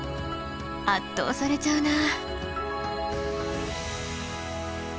圧倒されちゃうなあ。